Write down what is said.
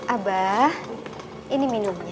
abah ini minumnya